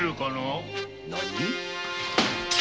何？